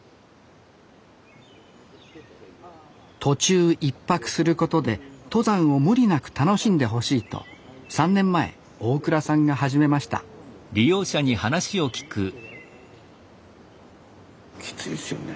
途中１泊することで登山を無理なく楽しんでほしいと３年前大蔵さんが始めましたきついですよね。